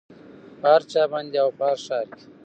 په هر چا باندې او په هر ښار کې